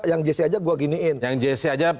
yang jc aja gue giniin yang jc aja